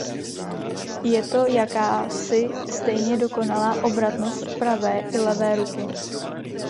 Je to jakási stejně dokonalá obratnost pravé i levé ruky.